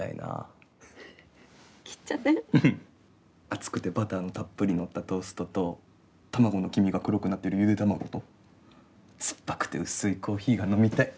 厚くてバターのたっぷりのったトーストと卵の黄身が黒くなってるゆで卵と酸っぱくて薄いコーヒーが飲みたい。